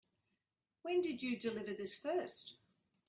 When did you deliver this first?